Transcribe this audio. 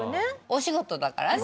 お仕事だからね。